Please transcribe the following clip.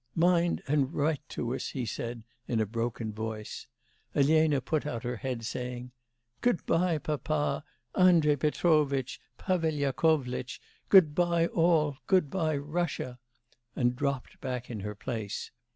'Mind and write to us,' he said in a broken voice. Elena put out her head, saying: 'Good bye, papa, Andrei Petrovitch, Pavel Yakovlitch, good bye all, good bye, Russia!' and dropped back in her place.